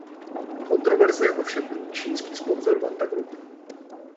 Kontroverze ovšem budí čínský sponzor Wanda Group.